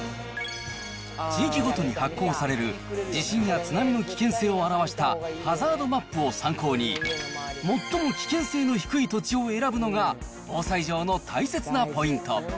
地域ごとに発行される地震や津波の危険性を表したハザードマップを参考に、最も危険性の低い土地を選ぶのが、防災上の大切なポイント。